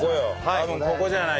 多分ここじゃない？